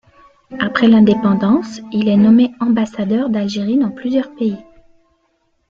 Après l'indépendance, il est nommé ambassadeur d'Algérie dans plusieurs pays.